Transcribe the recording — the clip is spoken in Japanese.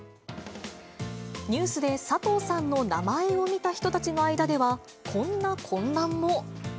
ニュースで佐藤さんの名前を見た人たちの間では、こんな混乱も。